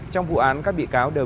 trong vụ án các bị cáo đều